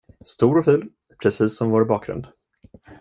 Stor och ful, precis som vår bakgrund.